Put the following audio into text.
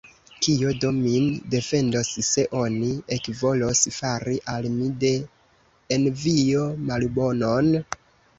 Kio do min defendos, se oni ekvolos fari al mi de envio malbonon?